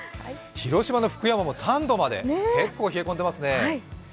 広島の福山も３度まで結構冷え込んでいますね。